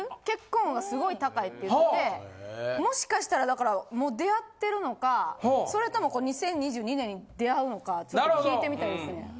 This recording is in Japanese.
結婚運がすごい高いって言ってもしかしたらだからもう出会ってるのかそれとも２０２２年に出会うのかちょっと聞いてみたいですね。